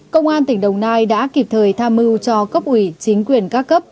công an tỉnh đồng nai đã kịp thời tham mưu cho cấp ủy chính quyền các cấp